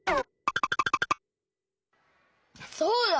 そうだ！